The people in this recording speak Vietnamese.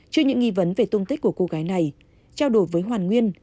trước những nghi vấn về tung tích của cô gái này trao đổi với hoàn nguyên